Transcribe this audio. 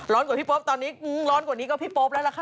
กว่าพี่โป๊ปตอนนี้ร้อนกว่านี้ก็พี่โป๊ปแล้วล่ะค่ะ